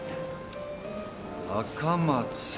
「赤松」。